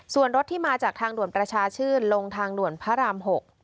ส่วนรถที่มาจากทางด่วนประชาชื่นลงทางด่วนพระราม๖